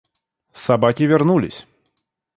Собаки вернулись.